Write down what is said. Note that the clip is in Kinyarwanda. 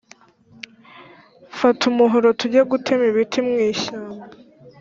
Fata umuhoro tugegutema ibiti mwishyamba